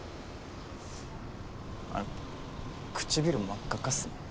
あの唇真っ赤っかっすね。